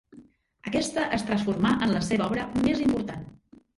Aquesta es transformà en la seva obra més important.